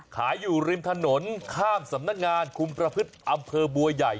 อยู่ริมถนนข้ามสำนักงานคุมประพฤติอำเภอบัวใหญ่